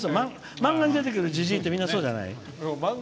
漫画に出てくるじじいってみんな、そうじゃない？